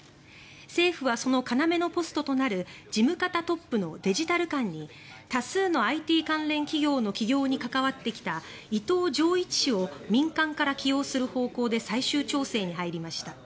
政府はその要のポストとなる事務方トップのデジタル監に多数のＩＴ関連企業の起業に関わってきた伊藤穣一氏を民間から起用する方向で最終調整に入りました。